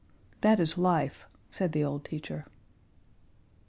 "That is life," said the old teacher.